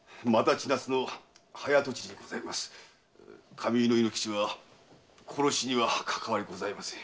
髪結いの猪之吉は殺しにはかかわりございません。